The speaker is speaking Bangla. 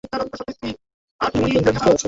বিনয় কহিল, নিশ্চয় আছে।